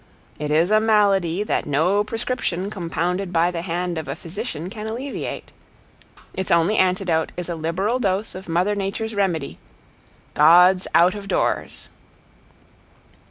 It is a malady that no prescription compounded by the hand of a physician can alleviate. Its only antidote is a liberal dose of Mother Nature's remedy, "God's Out of Doors."